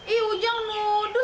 ihh ujang nuduh